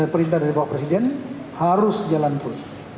perintah dari bapak presiden harus jalan terus